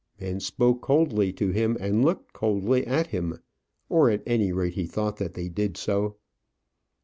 Men spoke coldly to him, and looked coldly at him; or at any rate, he thought that they did so.